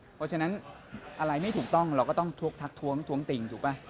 เพราะฉะนั้นอะไรไม่ถูกต้องเราก็ต้องทักท้วงท้วงติ่งถูกป่ะ